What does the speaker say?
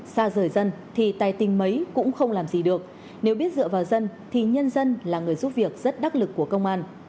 xa rời dân thì tài tình mấy cũng không làm gì được nếu biết dựa vào dân thì nhân dân là người giúp việc rất đắc lực của công an